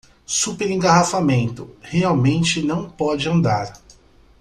Super engarrafamento, realmente não pode andar